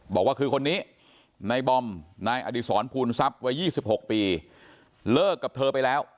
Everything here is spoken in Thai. บอกว่าคือคนนี้นายบอมนายอดีศรภูลทรัพย์วัย๒๖ปีเลิกกับเธอไปแล้ว